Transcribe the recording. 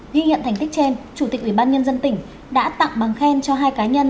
ghi nhận thành tích trên chủ tịch ủy ban nhân dân tỉnh đã tặng bằng khen cho hai cá nhân